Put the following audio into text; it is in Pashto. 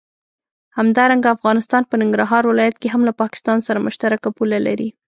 همدارنګه افغانستان په ننګرهار ولايت کې هم له پاکستان سره مشترکه پوله لري.